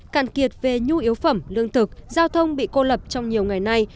cạn kiệt về nhu yếu phẩm lương thực giao thông bị cô lập trong nhiều ngày nay